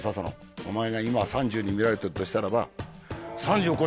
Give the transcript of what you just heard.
「お前が今は３０に見られてるとしたらば」